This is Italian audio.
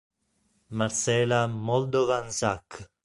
Marcela Moldovan-Zsak